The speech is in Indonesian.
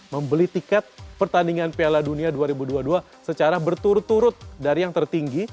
membeli tiket pertandingan piala dunia dua ribu dua puluh dua secara berturut turut dari yang tertinggi